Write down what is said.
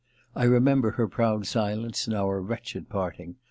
I remember her proud silence and our wretched parting.